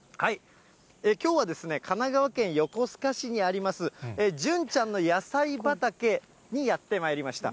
きょうは神奈川県横須賀市にあります潤ちゃんの野菜畑にやってまいりました。